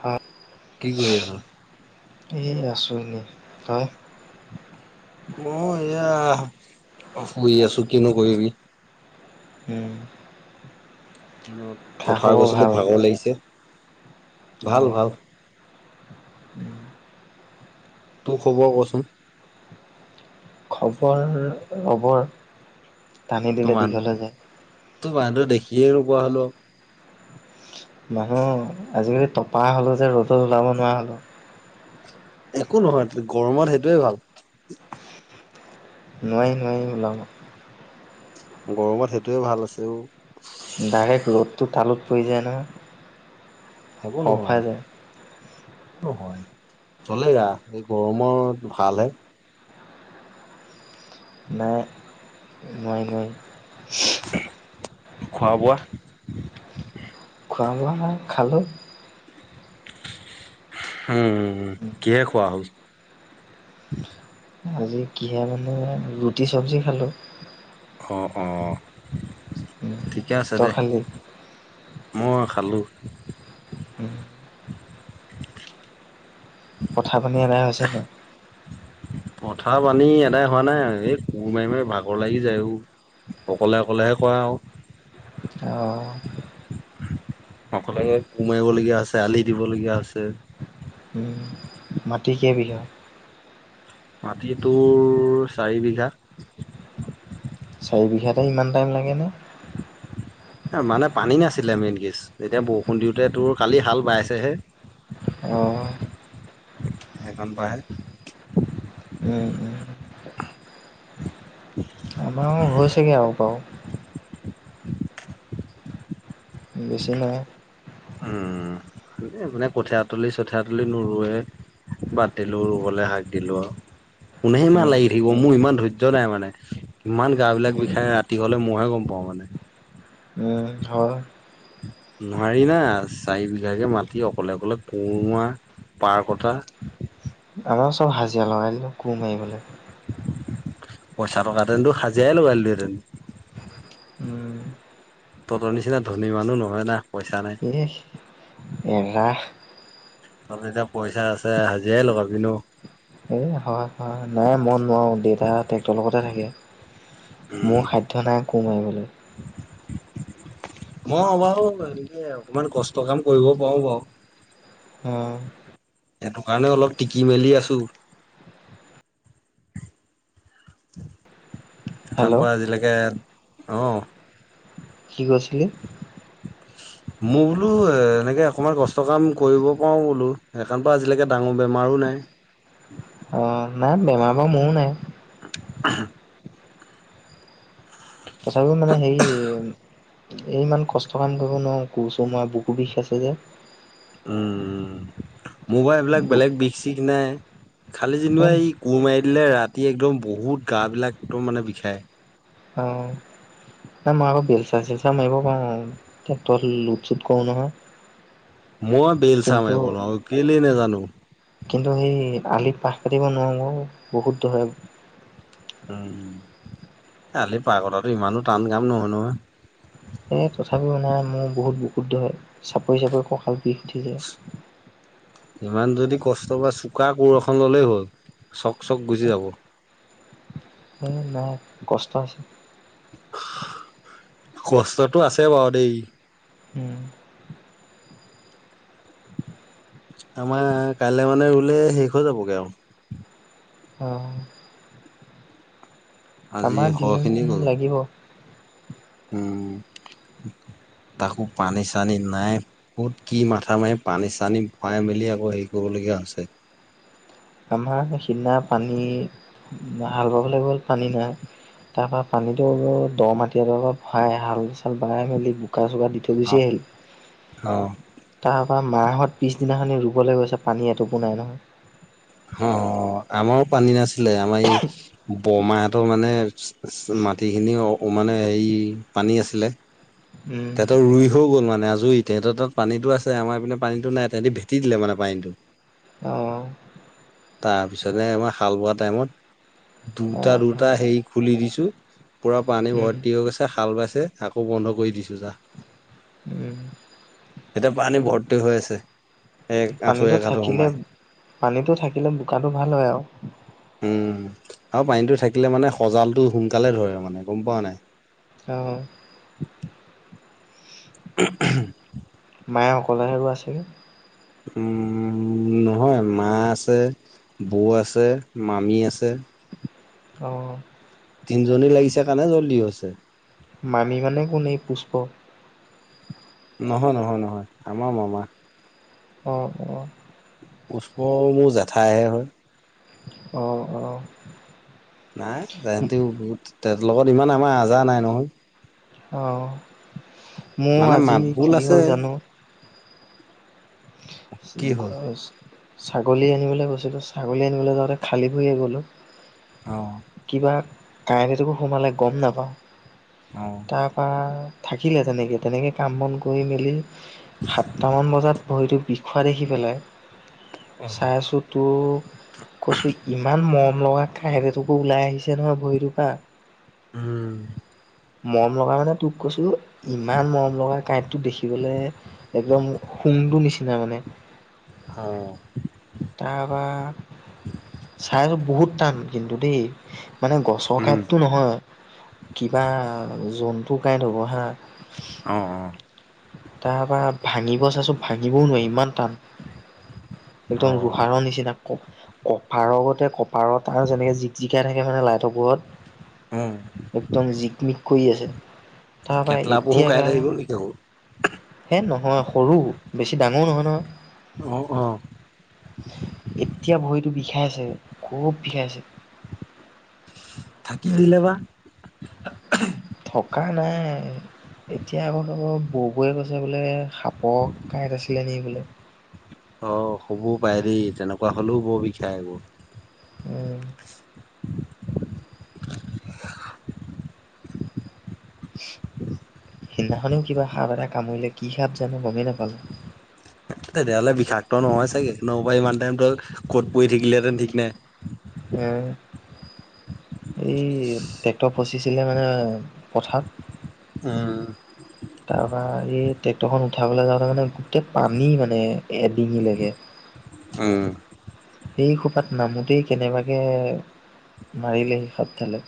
সাপ কি কৰি আছো? এই আছোঁ এনেই, তই? মই এইয়া শুই আছো কিনো কৰিবি। উম। দিনত খা পথাৰ খবৰ গৈছিলো ভাল ভাগৰ লাগিছে। ভাল অঁ ভাল। তোৰ খবৰ কচোন? খবৰ লবৰ। তোমাৰ তোৰ মানুহটোক দেখিয়ে নোপোৱা হ'লো আৰু? নহয়, আজিকালি টপা হ'লো যে ৰ'দত ওলাব নোৱাৰা হ'লোঁ। একো নহয় গৰমত সেইটোৱে ভাল। নোৱাৰি নোৱাৰি ওলাব। গৰমত সেইটোৱে ভাল আছে অ'। ডাইৰেক্ট ৰ'দটো তালুত পৰি যায় নহয়? একো ফৰফৰাই নহয়। যায় একো নহয় চলেগা, এই গৰমত ভালহে। নাই নোৱাৰি নোৱাৰি। খোৱা বোৱা? খোৱা বোৱা নাই, খালোঁ। উম, কিহেৰে খোৱা হ'ল? আজি কিহে মানে ৰুটি চব্জি খালোঁ। অ' অ' উম, ঠিকে আছে তই দে। খালি মই খালোঁ উম, পথা পানী এদাই হৈছেতো পথাৰ পানী এদাই হোৱা নাই এই কোৰ মাৰি মাৰি ভাগৰ লাগি যায় ও অকলে অকলেহে কৰা আও অ অকলে কোৰ মাৰিবলগীয়া আছে আলি দিব লগীয়া হৈছে উম মাটি কেই বিঘা মাটি তোৰ চাৰি বিঘা চাৰি বিঘাতে ইমান টাইম লাগেনে মানে পানী নাছিলে মেইন কেচ এতিয়া বৰষুণ দিওঁতে তোৰ কালি হাল বাইছেহে অ সেইখন পাহে উম উম [unintelligible] আমাৰ হৈছেগে আৱ বাও বেছি নাই উম মানে কঠিয়া তলি চঠিয়া তলি নোৰুৱে বাত দিলো ৰুবলে সাক দিলো আৰু কোনে ইমান উম, লাগি থাকিব মোৰ ইমান ধৈৰ্য্য নাই মানে ইমান গা বিলাক উম। বিষাই ৰাতি হলে মইহে গম পাওঁ মানে উম হয় নোৱাৰি না চাৰি বিঘাকে মাতি অকলে অকলে কুৰ মাৰা পাৰ কটা আমাৰ চব হাজিৰা লগাই দিলো কুম মাৰিবলে পইচা টকাহেতেনটো সাজিয়াই লগাই দিলোহেতেন উম তহঁতৰ নিচিনা ধনী মানুহ নহয় না পইচা নাই এ এৰা তহঁতৰ এতিয়া পইচা আছে হাজিৰা লগাবি ন এ হয় হয় নাই মই নোৱাৰো দেউতা ট্ৰেক্টৰ লগতে থাকে উম মোৰ সাধ্য নাই কুৰ মাৰিবলে মই বাৰু এনেকে অকমান কষ্ট কাম কৰিব পাৰো বাৰু অ সেইটো কাৰণে অলপ টিকি মেলি আছো [inaudible] হেল্ল' কাম পৰা আজিলৈকে অহ কি কৈছিলি মই বোলো এ এনেকে অকমান কষ্ট কাম কৰিব পাৰো বোলো সেইকাৰণে বা আজিলৈকে ডাঙৰ বেমাৰো নাই অ', নাই বেমাৰ বাৰু মোৰো নাই [unintelligible] তথাপি মানে হেৰি এই ইমান কষ্ট কাম কৰিব নোৱাৰো কুৰ‌ চুৰ‌ মৰা বুকু বিষ আছে যে উম মোৰ বা এইবিলাক বুক বেলেগ বিষ চিষ নাই খালি যেনিবা এই কুৰ মাৰি দিলে ৰাতি একদম বহুত গাবিলাক একদম মানে বিষায় অঁ নাই মই আকৌ বেলচা চেলচা মাৰিব [inaudible] ট্ৰেক্টৰ লোট চোট কৰে নহয়। মই বেলচা কিন্তু মাৰিব নোৱাৰো আৰু কেলেই নেজানো। কিন্তু সেই আলিত পাহ কাটিব নোৱাৰোঁ বহুত দৰে উম কালি বাঁহ কটাতো ইমানো টান কাম নহয়, নহয়। এই তথাপিও মানে নাই মোৰ বহুত বুকুত ধৰে, চাপৰি চাপৰি কঁকাল বিষ উঠি যায়। ইমান যদি কষ্ট বা চোকা কোৰ এখন ল'লেই হ'ল চক চক গুচি যাব। উম নাই কষ্ট আছে্ কষ্টটো আছে বাৰু দেই। উম আমাৰ কাইলৈ মানে ৰুলে শেষ হৈ যাবগৈ আৰু। অ আজি আমাৰ সৰহ খিনি দিন গ'ল লাগিব। উম তাকো পানী চানি নাই। ক'ত কি মাথা মাৰি পানী চানী ভৰাই মেলি আকৌ হেৰি কৰিবলগীয়া হৈছে। আমাৰ সিদিনা পানী হাল বাবলৈ গ'ল পানী নাই। তাৰ পৰা পানীটো দ মাটি এ দৰ পৰা ভৰাই হাল চাল বাই মেলি বোকা চোকা দি ত অ গুচি আহিলো। তাৰ পৰা মা হঁতে পিছদিনাখনি ৰুবলৈ গৈছে পানী এটুপো নাই নহয়। অ আমাৰো পানী নাছিলে আমাৰ এই বৰমাহঁতৰ মানে মাটিখিনি মানে হেৰি পানী আছিলে। উম তেহেঁত ৰুই হৈ গ'ল মানে আজৰি তেহেঁত তাত পানীটো আছে আমাৰ এইপিনে পানীটো নাই তেহেঁতি ভেটি দিলে মানে পানীটো অ', তাৰপিছতে আমাৰ হাল বোৱা টাইমত দুটা অ', অ', দুটা হেৰি খুলি দিছোঁ। পূৰা পানী উম, ভৰ্তি হৈ গৈছে হাল বাইছে আকৌ বন্ধ কৰি দিছোঁ যা [unintelligible] এতিয়া পানী ভৰ্তি হৈ আছে এক আঁঠু এক আঁঠু সোমাই। পানীতটো থাকিলে বোকাটো ভাল হয় আৰু। উ আৰু পানীটো থাকিলে মানে সজালটো সোনকালে ধৰে মানে গম পোৱা নাই। অঁ [unintelligible] প্ৰায়ে অকলেহে ৰুৱা আছে নে? উম নহয় মা আছে বৌ আছে মামী আছে। অঁ তিনিজনী লাগিছে কাৰণে জল্ডি হৈছে। মামি মানে কোন এই পুষ্প নহয় নহয় নহয় আমাৰ মামাৰ হয়, অঁ পুষ্প মোৰ জেঠাইহে হয়। হয়, অঁ নাই তাহঁতৰ লগত ইমান আমাৰ আহজাৰ নাই নহয়। অঁ মোৰ মানে আজি মাতবোল কি আছে হ'ল জানো। কি হ'ল ছাগলী আনিবলৈ গৈছিলিলো ছাগলী আনিবলৈ যাওঁতে খালী ভৰিয়ে গলো। অ কিবা কাঁইট এডোখৰ সোমালে গম নাপাওঁ। অ তাৰপৰা থাকিলে তেনেকৈ তেনেকৈ কাম বন কৰি মেলি সাতটামান বজাত ভৰিটো বিষোৱা দেখি পেলাই, চাই আছো তো কৈছোঁ ইমান মৰম লগা [unintelligible] ওলাই আহিছে নহয় ভৰিটোৰ পৰা উম। মৰম লগা মানে তোক কৈছো, ইমান মৰম লগাই কাঁইটো দেখিবলৈ একদম সুডুৰ নিচিনা মানে। হ তাৰপৰা চাই আছো বহুত টান কিন্তু দেই, মানে গছ উম কাইটো নহয়, কিবা জন্তু কাই হ'ব হা। অ অ। তাৰপৰা ভাঙিবলৈ চাইছিলোঁ, ভাঙিবও নোৱাৰি ইমান টান। অ একদম ৰোহাৰৰ নিচিনা। কপাৰৰ গতে কপাৰ তাৰ যেনেকে জিক-জিকাই থাকে মানে লাইটৰ পোহৰত উম একদম জিকমিক কৰি আছে। কেটলা তাৰপৰা পহু এতিয়া [unintelligible] এ নহয় সৰু, বেছি ডাঙৰ নহয় নহয়। অ অ। এতিয়া ভৰিটো বিষাইছে, খুব বিষাইছে। থাকি দিলে বা থকা নাই এতিয়া আকৌ ব-বৌৱে কৈছে বোলে, সাপৰ কাঁইট আছিল নেকি বোলে। অ হ'বও পাৰে দেই তেনেকুৱা হ'লেও বৰ বিষায় এইবোৰ। উম। সিদিনাখনেও কিবা সাপ এটাই কামুৰিলে। কি সাপ জানো গমেই নাপালোঁ। তেতিয়াহ'লে বিষাক্ত নহয় চাগে। নহ'লে ইমান টাইমত ক'ত পৰি থাকিলেহেঁতেন ঠিক নাই। উম এই ট্ৰেক্টৰ ফচিছিলে মানে পথাৰত উম তাৰপৰা এই ট্ৰেক্টৰখন উঠাবলৈ যাওঁতে মানে গোটেই পানী মানে এডঙি লৈকে। [inaudible] উম। সেই খোপাত নামোঁতেই কেনেবাকৈ মাৰিলে সাপডালে।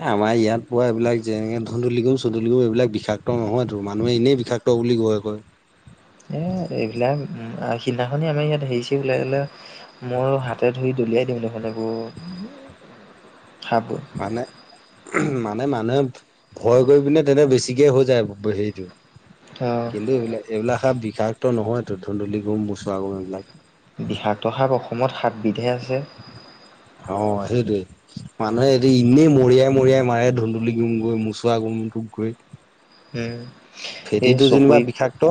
এ আমাৰ ইয়াত পোৱা এইবিলাক যেনেকৈ [unintelligible] এইবিলাক বিষাক্ত নহয়তো, মানুহে এনেই বিষাক্ত ত বুলি গৈ কয়। এ এইবিলাক সিদিনাখনেই আমাৰ ইয়াত [unintelligible] মই হাতে ধৰি দলিয়াই দিম দেখোন এইবোৰ সাপ মানে‌, মানে মানুহে ভয় কৰি পিনে তেনে বেছিকৈ হৈ যায় হেৰিটো। অ কিন্তু এইবিলাক, এইবিলাক সাপ বিষাক্ত নহয়তো। ধুন্দুলি গোম, মোচোৱা গোম এইবিলাক। বিষাক্ত সাপ অসমত সাতবিধহে আছে। অ সেইটোৱেই। মানুহে এতিয়া এনেই মৰিয়াই মৰিয়াই মাৰে ধুন্দুলি গোমক, মোচোৱা গোমটোক গৈ। উম সেই ফেটিটো যেনিবা চকৈ, বিষাক্ত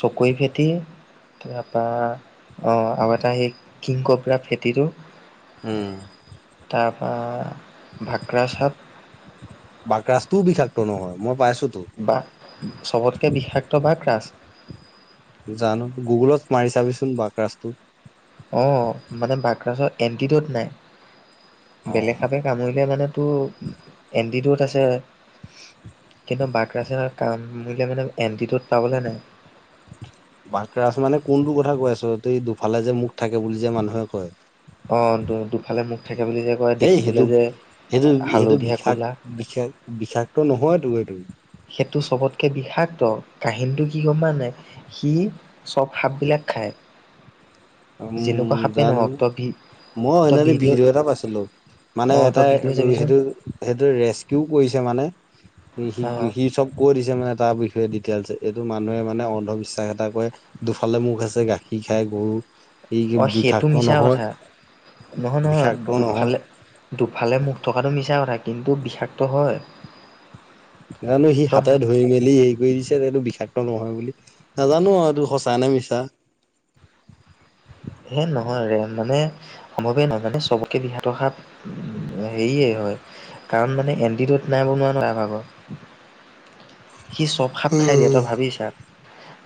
চকৈ ফেটি তাৰপৰা অ আৰু এটা সেই কিং কোব্ৰা ফেটিটো উম। তাৰপৰা বাকৰাজ সাপ, বাকৰাজটোও বিষাক্ত নহয়। মই পাইছোঁতো। বা চবতকৈ বিষাক্ত বাকৰাজ। জানো, গুগুলত মাৰি চাবি চোন বাকৰাজটো। অ মানে বাকৰাজৰ এন টি ৰ'ড নাই, অ বেলেগভাৱে কামৰিলীয়া মানেতো এণ্টিড'ট আছে। কিন্তু বাকৰাজে কামুৰিলে মানে এণ্টিড'ট পাবলৈ নাই। বাকৰাজ মানে কোনটো কথা কৈ আছ? তই দুয়োফালে যে মুখ থাকে বুলি যে মানুহে কয়। অ দুয়োফালে মুখ থাকে বুলি যে কয় এই, দেখিবলৈ সেইটো যে সেইটো সেইটো হালধীয়া বিষাক ক'লা বিষাক বিষাক্ত নহয়তো সেইটো? সেইটো চবতকে বিষাক্ত কাহিনীটো কি গম পাই নাই? সি চব সাপবিলাক খায়। উম যেনেকুৱা সাপে জানো, নহওক তই ভি মই সিদিনাখনি ভিডিঅ' এটা পাইছিলো। মানে অ' এটা তই ভিডিঅ' চাবিচোন সেইটো সেইটো ৰেস্কিউ কৰিছে মানে, সি অ' সি চব কৈ দিছে, মানে তাৰ বিষয়ে ডিটেইলছ এইটো মানুহে মানে অন্ধবিশ্বাস এটা কৰে দুয়োফালে মুখ আছে গাখীৰ খায়, গৰু ই অ, সেইটো বিষাক্ত মিছা নহয় কথা নহয় নহয় বিষাক্ত নহয় দুয়োফালে দুফালে মুখ থকাটো মিছা কথা, কিন্তু বিষাক্ত হয়। জানো সি তই হাতে ধৰি মেলি হেৰি কৰি দিছে এইটো বিষাক্ত নহয় বুলি নাজানো আৰু এইটো সঁচা নে মিছা হে নহয় ৰে মানে সম্ভৱে নহয় জানে চবতকে বিষাক্ত সাপ হেৰিয়ে হয় কাৰণ মানে এনডিড'ত নাই বনোৱা ন এয়া ভাগৰ সি চব সাপ খাই দিয়ে তই ভাবি চা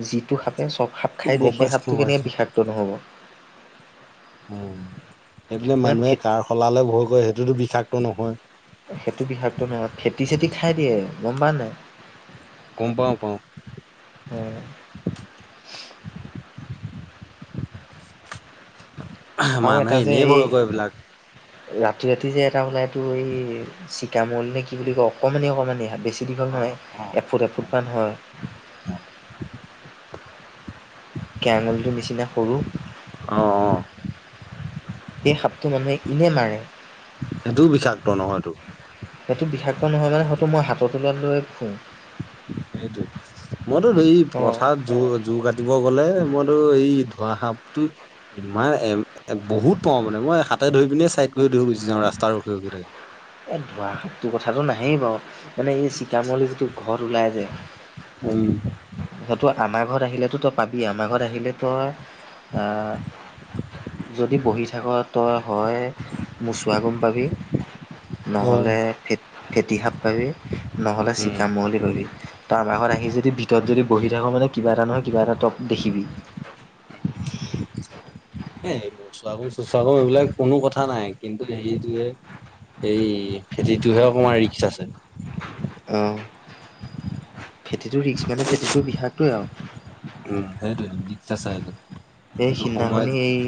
যিটো সাপে চব সাপ খাই দিয়ে গম সেই পাইছো সাপটো গম কেনেকে পাইছো বিষাক্ত নহ'ব উ সেইপিনে মানে মানুহে ফে কাৰশলালে ভয় কৰে সেইটোতো বিষাক্ত নহয় সেইটো বিষাক্ত নহয় ফেটি চেটি খাই দিয়ে গম পাৱ নাই গম পাও পাও উম [unintelligible] আৰু এটা মানুহে যে এনেই এই ভয় কৰে এইবিলাক ৰাতি ৰাতি যে এটা ওলাই এইটো এই চিকামল নে কি বুলি কয় অকণমানি অকণমানি সাপ বে ছি দীঘল নহয় এফুট এফুট মান হয়। অ [unintelligible] কেৰা আঙুলিটোৰ নিচিনা সৰু অ অ সেই সাপটো মানুহে ইনে মাৰে সেইটোও বিষাক্ত নহয়তো সেইটো বিষাক্ত নহয় নহয় সেইটো মই হাতৰ তলুৱাত লৈয়ে ফুৰো সেইটো মইতো এই অঁ পথাৰত জো জোৰ কাটিব গ'লে মইতো এই ধোঁৱা সাপটো ইমান এ বহুত পাও মানে মই হাতে ধৰি পিনে চাইড কৰি ধৰি গুচি যাও ৰাস্তাৰ ৰখি ৰখি থাকে এ ধোঁৱা সাপটোৰ কথাটো নাহেই বাও মানে এই চিকামল যিটো ঘৰত ওলাই যে উম, সেইটো আমাৰ ঘৰত আহিলেতো তই পাবিয়ে আমাৰ ঘৰত আহিলে তই আহ যদি বহি থাক তই হয়ে মোচোৱা গম পাবি অ'। নহ'লে ফে ফেঁটিসাপ পাবি নহ'লে উম, চিকামহলি পাবি তই আমাৰ ঘৰত আহি যদি ভিতৰত যদি বহি থাকো মানে কিবা এটা নহয় কিবা এটা টপ দেখিবি। [inaudible] এ মোৰচাগম চচাগম এইবিলাক কোনো কথা নাই কিন্তু হেৰিটোহে, এই ফেটিটোহে অকণমান ৰিক্স আছে। অ ফেঁটিটো ৰিস্ক মানে ফেঁটিটোৰ বিষাক্তই আৰু, উম সেইটোয়েটো [unintelligible] এইটো, এই সিদিনাখনি এই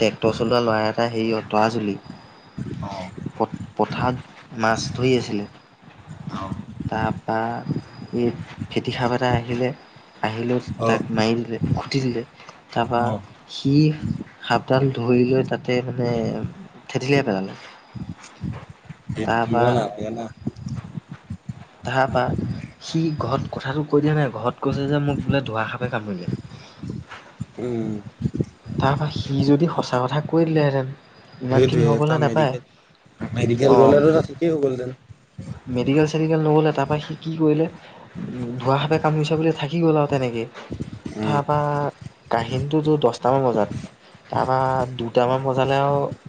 ট্ৰেক্টৰ চলোৱা ল'ৰা এটা হেৰীয়ৰ অ', অঁতৰাজুলি, প পথাৰত মাছ ধৰি আছিলে। অ'। তাৰপৰা এই ফেঁটি সাপ এটা আহিলে। আহিলৈ তাক অ'। মাৰি দিলে খুঁটি দিলে তাৰপৰা, অ', সি সাপডাল ধৰি লৈ তাতে মানে থেতেলিয়াই পেলালে। সেইটো তাৰ কৰিব পা নালাগে না, তাৰ পা সি ঘৰত কথাটো কৈ দিয়া নাই ঘৰত কৈছে যে মোক বোলে ধোঁৱা সাপে কামুৰিলে। উম তাৰ পা সি যদি সঁচা কথা কৈ দিলেহেতেন, সেইটোৱে তাৰ মেডিকেল অ মেডিকেল গ'লেটো তাৰ ঠিকেই হৈ গ'লহেতেন। মেডিকেল চেডিকেল নগলে তাৰপৰা সি কি কৰিলে, ধুঁৱা সাপে কামুৰিছে বুলি থাকি গ'ল আৰু তেনেকেই, উম তাপা কাহিনতটোতো দছ, টামান বজাত তাৰপৰা দুটামান বজালে আৰু,